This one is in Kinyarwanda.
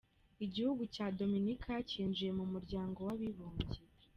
Igihugu cya Dominika cyinjiye mu muryango w’abibumbye.